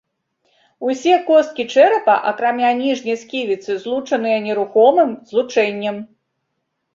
Усе косткі чэрапа, акрамя ніжняй сківіцы, злучаныя нерухомым злучэннем.